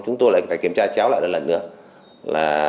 chúng tôi lại phải kiểm tra chéo lại một lần nữa